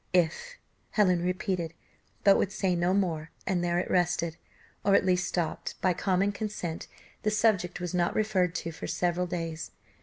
"If! " Helen repeated, but would say no more and there it rested, or at least stopped. By common consent the subject was not recurred to for several days.